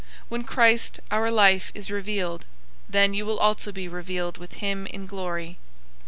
003:004 When Christ, our life, is revealed, then you will also be revealed with him in glory.